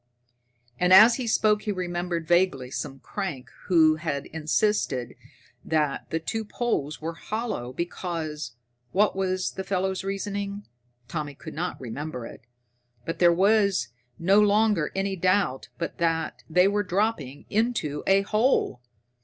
And as he spoke he remembered vaguely some crank who had once insisted that the two poles were hollow because what was the fellow's reasoning? Tommy could not remember it. But there was no longer any doubt but that they were dropping into a hole.